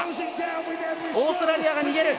オーストラリアが逃げる！